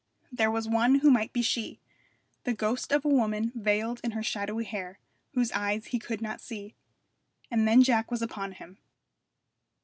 There was one who might be she, the ghost of a woman veiled in her shadowy hair, whose eyes he could not see. And then Jack was upon him.